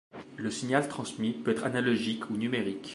Le signal transmis peut être analogique ou numérique.